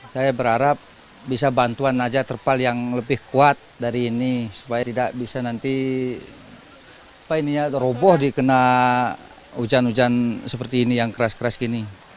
saya berharap bisa bantuan saja terpal yang lebih kuat dari ini supaya tidak bisa nanti roboh dikena hujan hujan seperti ini yang keras keras gini